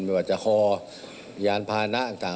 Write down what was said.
ไม่ว่าจะคอยานพานะต่าง